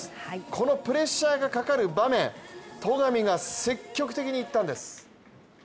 このプレッシャーがかかる場面戸上が積極的にいったんです。